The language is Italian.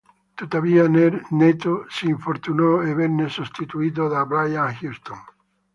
Tuttavia, Neto si infortunò e venne sostituito da Brian Houston.